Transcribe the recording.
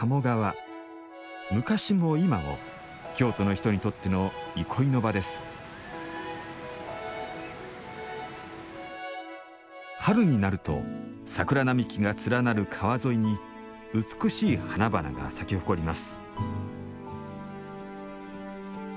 昔も今も京都の人にとっての憩いの場です春になると桜並木が連なる川沿いに美しい花々が咲き誇ります